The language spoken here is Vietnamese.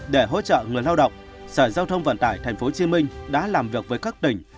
để hỗ trợ người lao động sở giao thông vận tải tp hcm đã làm việc với các tỉnh